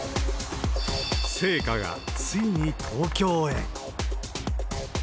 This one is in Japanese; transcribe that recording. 聖火がついに東京へ。